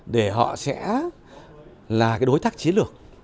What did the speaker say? để họ sẽ là cái đối tác chiến lược